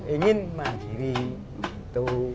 ingin mandiri gitu